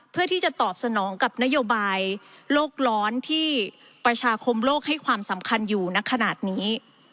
เพื่อที่จะตอบสนองกับนโยบายโลกร้อนที่ประชาคมโลกให้ความสำคัญอยู่ในขณะนี้